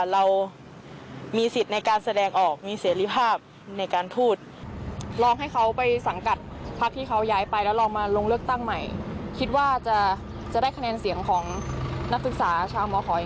หมอขอพออย่างอีกในทวิตเตอร์